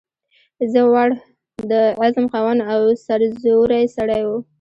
زړه ور، د عزم خاوند او سرزوری سړی وو.